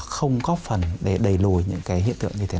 không góp phần để đẩy lùi những cái hiện tượng như thế này